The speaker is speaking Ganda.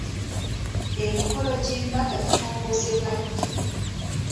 Emikolo gy'embaga gitongozebwa ddi ?